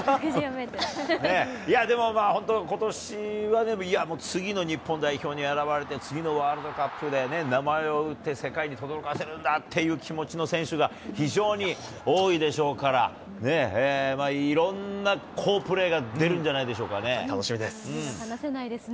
いやでも、ことしはね、次の日本代表に選ばれて、次のワールドカップでね、名前を売って世界にとどろかせるんだという気持ちの選手が非常に多いでしょうから、いろんな好プレーが出るんじゃないでしょうかね。